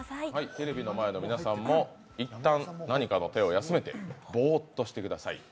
テレビの前の皆さんもいったん、何かの手を休めてボーッとしてください。